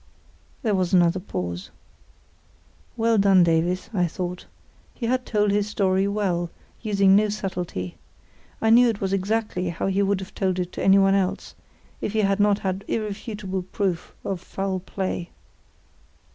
There was another pause. "Well done, Davies," I thought. He had told his story well, using no subtlety. I knew it was exactly how he would have told it to anyone else, if he had not had irrefutable proof of foul play.